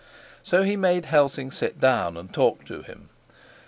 So he made Helsing sit down, and talked to him.